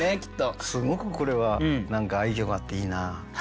すごくこれは愛きょうがあっていいなあ。